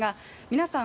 皆さん